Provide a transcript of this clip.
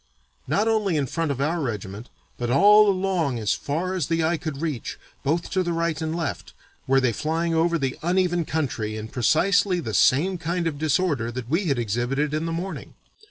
Not only in front of our regiment, but all along as far as the eye could reach, both to the right and left, were they flying over the uneven country in precisely the same kind of disorder that we had exhibited in the morning.